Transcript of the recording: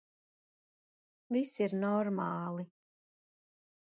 Viss ir normāli.